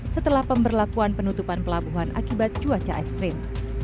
setelah pemberlakuan penutupan pelabuhan akibat cuaca ekstrim